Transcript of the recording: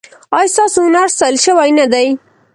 ایا ستاسو هنر ستایل شوی نه دی؟